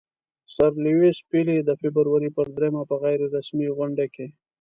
سر لیویس پیلي د فبرورۍ پر دریمه په غیر رسمي غونډه کې.